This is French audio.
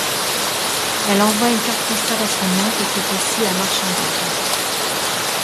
Elle envoie une carte postale à son oncle qui est aussi marchant d’art.